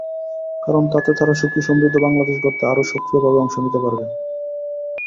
কারণ, তাতে তাঁরা সুখী সমৃদ্ধ বাংলাদেশ গড়তে আরও সক্রিয়ভাবে অংশ নিতে পারবেন।